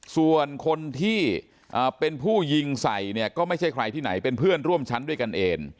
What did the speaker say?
ส่วนคนที่เป็นผู้ยิงใส่เนี่ยก็ไม่ใช่ใครที่ไหนเป็นเพื่อนร่วมชั้นด้วยกันเอง